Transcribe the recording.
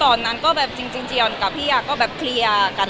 ตอนนั้นก็แบบจนจริงจบกับพี่อ่าก็แบบเพียนอย่างกัน